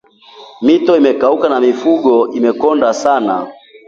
Mito imekauka na mifugo imekonda sana.